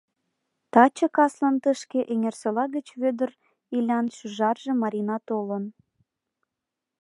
Таче каслан тышке Эҥерсола гыч Вӧдыр Илян шӱжарже Марина толын.